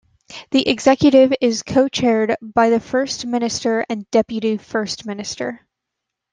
The Executive is co-chaired by the First Minister and deputy First Minister.